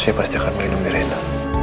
saya pasti akan melindungi rena